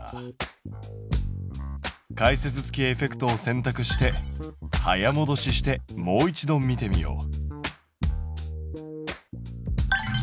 解説付きエフェクトを選択して早もどししてもう一度見てみよう。